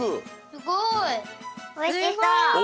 すごい！